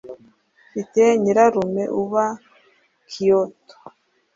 Mfite nyirarume uba i Kyoto.